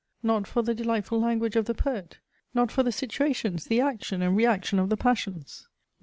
not for the delightful language of the poet? not for the situations, the action and reaction of the passions?